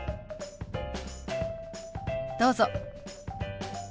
どうぞ。